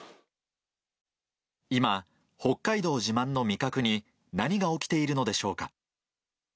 今、北海道自慢の味覚に何が起きているのでしょうか。